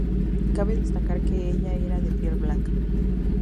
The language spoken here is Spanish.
Cabe destacar que ella era de piel blanca.